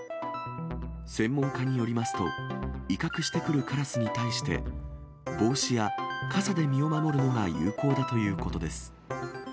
専門家によりますと、威嚇してくるカラスに対して、帽子や傘で身を守るのが有効だということです。